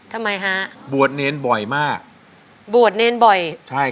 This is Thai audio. ทำไมฮะบวชเนรบ่อยมากบวชเนรบ่อยใช่